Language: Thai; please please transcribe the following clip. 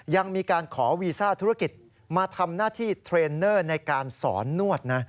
ยังมีการขอวีซ่าธุรกิจมาทำหน้าที่เทรนเนอร์ในการสอนนวดนะ